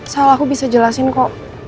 salah aku bisa jelasin kok